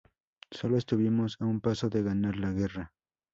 Sólo estuvimos a un paso de ganar la guerra.